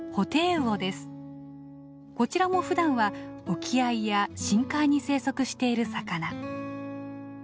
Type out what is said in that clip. こちらもふだんは沖合や深海に生息している魚。